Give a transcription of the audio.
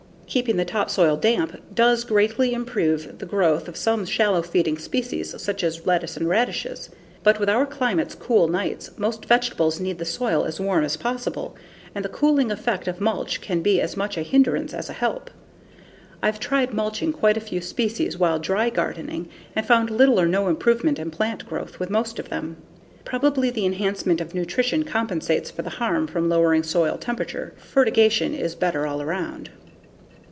Keeping the topsoil damp does greatly improve the growth of some shallow feeding species such as lettuce and radishes. But with our climate's cool nights, most vegetables need the soil as warm as possible, and the cooling effect of mulch can be as much a hindrance as a help. I've tried mulching quite a few species while dry gardening and found little or no improvement in plant growth with most of them. Probably, the enhancement of nutrition compensates for the harm from lowering soil temperature. Fertigation is better all around.